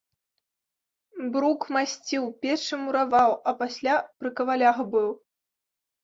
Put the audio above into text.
Брук масціў, печы мураваў, а пасля пры кавалях быў.